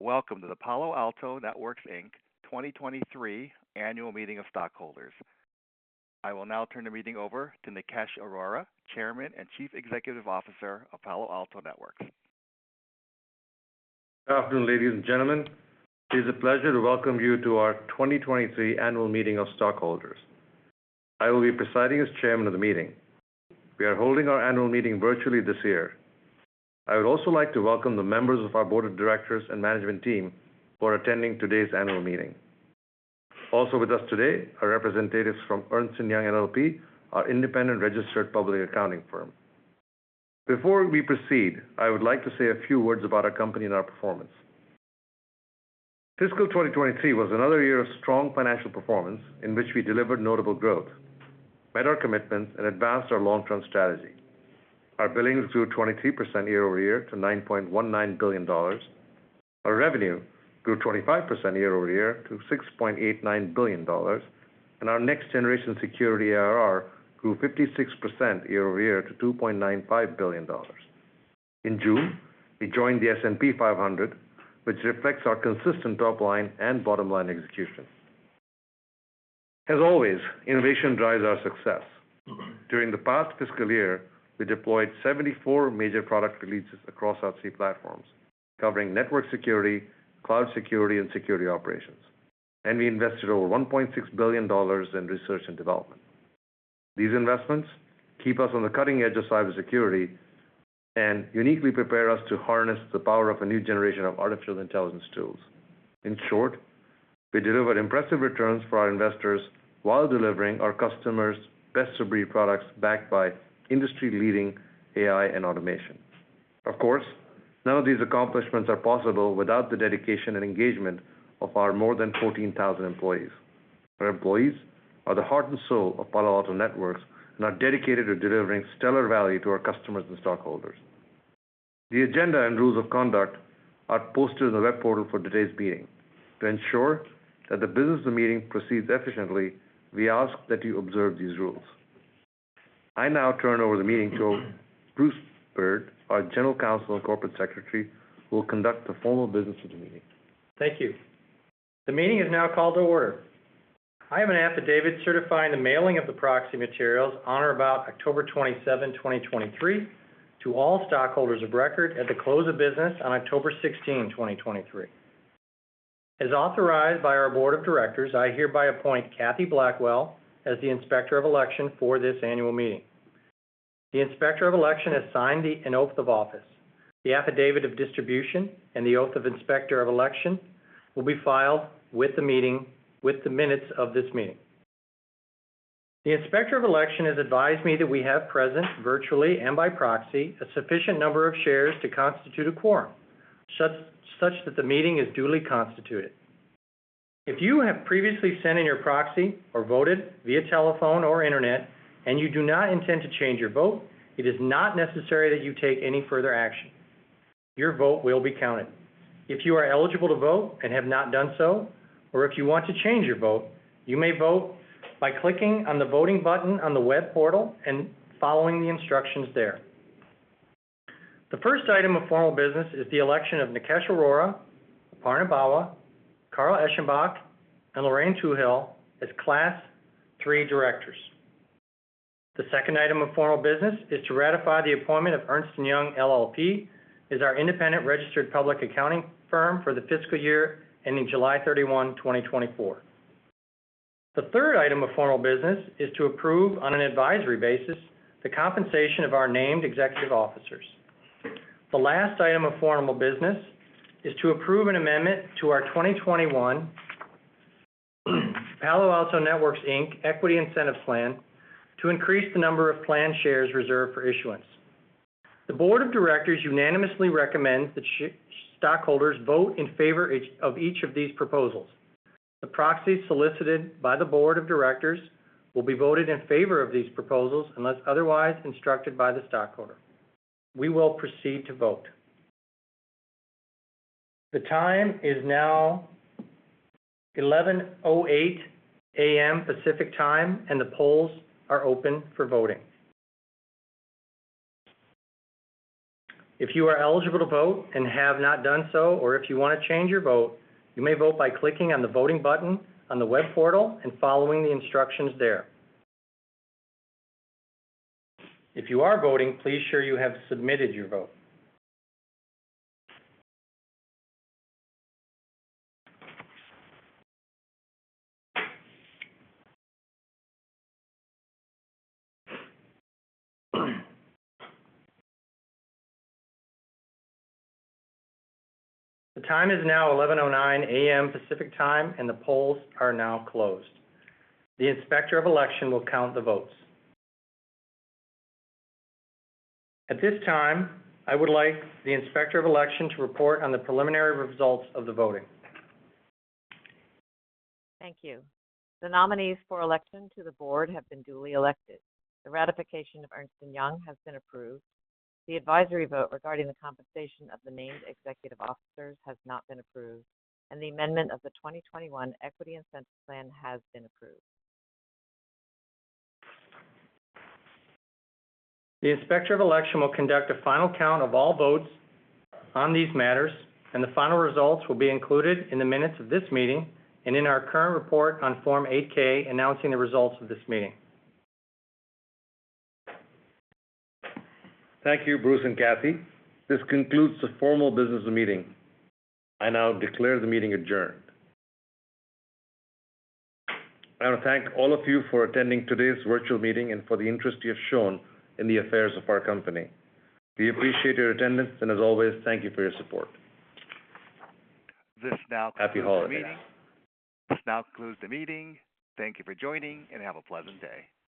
Welcome to the Palo Alto Networks, Inc. 2023 Annual Meeting of Stockholders. I will now turn the meeting over to Nikesh Arora, Chairman and Chief Executive Officer of Palo Alto Networks. Good afternoon, ladies and gentlemen. It is a pleasure to welcome you to our 2023 Annual Meeting of Stockholders. I will be presiding as chairman of the meeting. We are holding our annual meeting virtually this year. I would also like to welcome the members of our board of directors and management team for attending today's annual meeting. Also with us today are representatives from Ernst & Young LLP, our independent registered public accounting firm. Before we proceed, I would like to say a few words about our company and our performance. Fiscal 2023 was another year of strong financial performance, in which we delivered notable growth, met our commitments, and advanced our long-term strategy. Our billings grew 23% year-over-year to $9.19 billion. Our revenue grew 25% year-over-year to $6.89 billion, and our Next-Generation Security ARR grew 56% year-over-year to $2.95 billion. In June, we joined the S&P 500, which reflects our consistent top line and bottom line execution. As always, innovation drives our success. During the past fiscal year, we deployed 74 major product releases across our three platforms, covering network security, cloud security, and security operations, and we invested over $1.6 billion in research and development. These investments keep us on the cutting edge of cybersecurity and uniquely prepare us to harness the power of a new generation of artificial intelligence tools. In short, we delivered impressive returns for our investors while delivering our customers best-of-breed products, backed by industry-leading AI and automation. Of course, none of these accomplishments are possible without the dedication and engagement of our more than 14,000 employees. Our employees are the heart and soul of Palo Alto Networks and are dedicated to delivering stellar value to our customers and stockholders. The agenda and rules of conduct are posted on the web portal for today's meeting. To ensure that the business of the meeting proceeds efficiently, we ask that you observe these rules. I now turn over the meeting to Bruce Byrd, our General Counsel and Corporate Secretary, who will conduct the formal business of the meeting. Thank you. The meeting is now called to order. I have an affidavit certifying the mailing of the proxy materials on or about October 27, 2023, to all stockholders of record at the close of business on October 16, 2023. As authorized by our board of directors, I hereby appoint Kathy Blackwell as the Inspector of Election for this annual meeting. The Inspector of Election has signed an Oath of Office. The Affidavit of Distribution and the Oath of Inspector of Election will be filed with the meeting, with the minutes of this meeting. The Inspector of Election has advised me that we have present, virtually and by proxy, a sufficient number of shares to constitute a quorum, such that the meeting is duly constituted. If you have previously sent in your proxy or voted via telephone or internet, and you do not intend to change your vote, it is not necessary that you take any further action. Your vote will be counted. If you are eligible to vote and have not done so, or if you want to change your vote, you may vote by clicking on the voting button on the web portal and following the instructions there. The first item of formal business is the election of Nikesh Arora, Aparna Bawa, Carl Eschenbach, and Lorraine Twohill as Class III directors. The second item of formal business is to ratify the appointment of Ernst & Young LLP as our independent registered public accounting firm for the fiscal year ending July 31, 2024. The third item of formal business is to approve, on an advisory basis, the compensation of our named executive officers. The last item of formal business is to approve an amendment to our 2021 Palo Alto Networks, Inc. Equity Incentive Plan to increase the number of plan shares reserved for issuance. The board of directors unanimously recommends that stockholders vote in favor of each of these proposals. The proxies solicited by the board of directors will be voted in favor of these proposals unless otherwise instructed by the stockholder. We will proceed to vote. The time is now 11:08 A.M. Pacific Time, and the polls are open for voting. If you are eligible to vote and have not done so, or if you want to change your vote, you may vote by clicking on the voting button on the web portal and following the instructions there. If you are voting, please make sure you have submitted your vote. The time is now 11:09 A.M. Pacific Time, and the polls are now closed. The Inspector of Election will count the votes. At this time, I would like the Inspector of Election to report on the preliminary results of the voting. Thank you. The nominees for election to the board have been duly elected. The ratification of Ernst & Young has been approved. The advisory vote regarding the compensation of the named executive officers has not been approved, and the amendment of the 2021 Equity Incentive Plan has been approved. The Inspector of Election will conduct a final count of all votes on these matters, and the final results will be included in the minutes of this meeting and in our current report on Form 8-K, announcing the results of this meeting. Thank you, Bruce and Kathy. This concludes the formal business of the meeting. I now declare the meeting adjourned. I want to thank all of you for attending today's virtual meeting and for the interest you have shown in the affairs of our company. We appreciate your attendance, and as always, thank you for your support. This now concludes the meeting. Happy holidays. This now concludes the meeting. Thank you for joining, and have a pleasant day.